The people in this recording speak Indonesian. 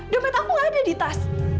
dompet aku nggak ada di tas